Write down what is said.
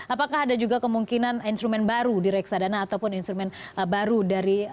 apakah ada juga kemungkinan instrumen baru di reksadana ataupun instrumen baru dari